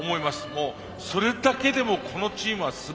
もうそれだけでもこのチームはすばらしい。